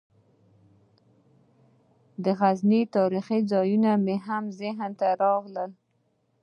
د غزني تاریخي ځایونه مې هم ذهن ته راغلل.